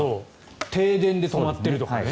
停電で止まっているとかね。